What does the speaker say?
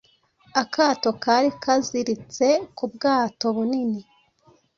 Akato kari kaziritse ku bwato bunini,